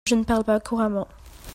Je ne parle pas couramment.